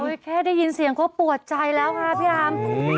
โอ้โหแค่ได้ยินเสียงก็ปวดใจแล้วค่ะพี่อาม